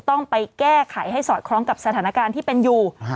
ต้องไปแก้ไขให้สอดคล้องกับสถานการณ์ที่เป็นอยู่